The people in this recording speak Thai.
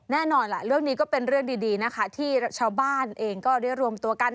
แน่นอนล่ะเรื่องนี้ก็เป็นเรื่องดีนะคะที่ชาวบ้านเองก็ได้รวมตัวกัน